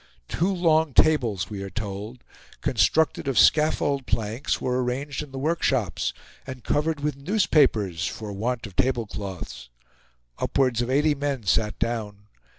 "Two long tables," we are told, "constructed of scaffold planks, were arranged in the workshops, and covered with newspapers, for want of table cloths. Upwards of eighty men sat down.